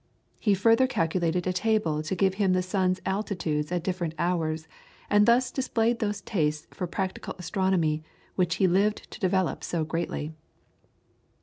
He further calculated a table to give the sun's altitudes at different hours, and thus displayed those tastes for practical astronomy which he lived to develop so greatly.